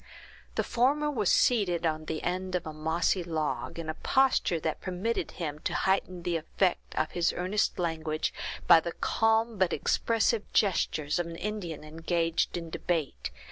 The former was seated on the end of a mossy log, in a posture that permitted him to heighten the effect of his earnest language, by the calm but expressive gestures of an Indian engaged in debate.